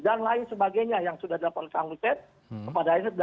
dan lain sebagainya yang sudah dilaporkan kang hussein